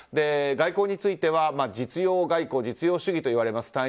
外交については実用外交、実用主義といわれます